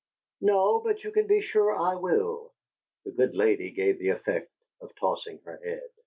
"No, but you can be sure I will!" The good lady gave the effect of tossing her head.